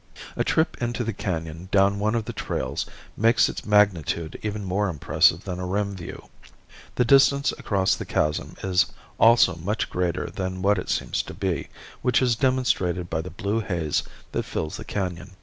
A trip into the canon down one of the trails makes its magnitude even more impressive than a rim view. The distance across the chasm is also much greater than what it seems to be, which is demonstrated by the blue haze that fills the canon.